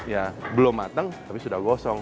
ya belum matang tapi sudah gosong